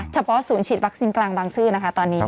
เฉพาะศูนย์ฉีดวัคซีนกลางบางซื่อนะคะตอนนี้